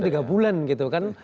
tiga bulan gitu kan